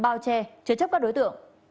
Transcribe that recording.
bao che chứa chấp các đối tượng